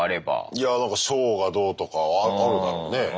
いやなんか賞がどうとかはあるだろうね。